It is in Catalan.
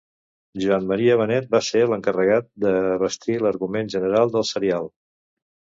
Joan Maria Benet va ser l'encarregat de bastir l'argument general del serial.